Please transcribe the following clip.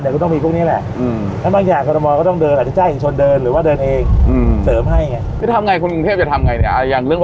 อืมแล้วบางอย่างกรณมมอลก็ต้องเดินหลายชาติเชียงชนเดินหรือว่าเดินเองอืม